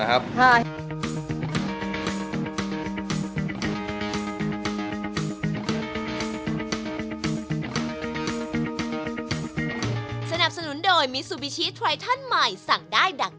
มาจากปีนังหรอครับ